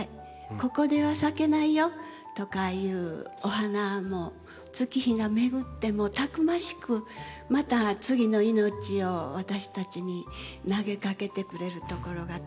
ここでは咲けないよとかいうお花も月日が巡ってもたくましくまた次の命を私たちに投げかけてくれるところがとっても感動です。